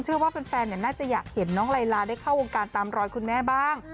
เชื่อว่าแฟนน่าจะอยากเห็นน้องลายลาได้เข้าวงการตามรอยคุณแม่บ้าง